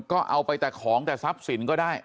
ก็เอาไปแต่ของแต่ทรัพย์สินก็ได้